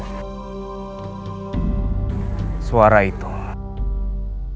suara itu suara perempuan yang merasuk dalam tubuh basir